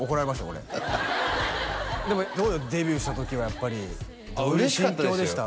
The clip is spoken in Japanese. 俺でもどうよデビューした時はやっぱり嬉しかったですよ